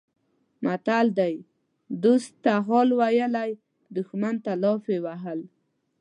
متل دی: دوست ته حال ویلی دښمن ته لافې وهل.